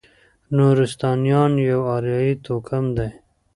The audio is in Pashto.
نورستانیان یو اریایي توکم دی.